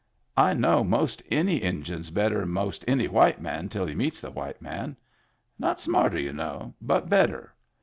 I know most any Injun's better'n most any white man till he meets the white man. Not smarter, y'u know, but better.